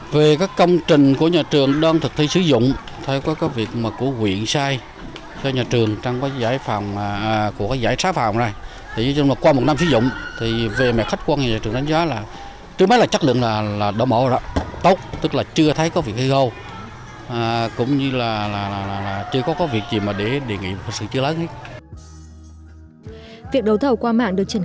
việc đấu thầu qua mạng được triển khai từ năm hai nghìn một mươi tám